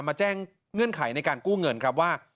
มาแจ้งเงื่อนไขในการกู้เงินครับว่า